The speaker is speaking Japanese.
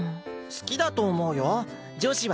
好きだと思うよ。